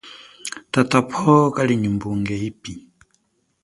Tata powa kali nyi mbunge ipi.